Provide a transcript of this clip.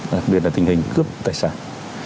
đặc biệt là tình hình cướp tài sản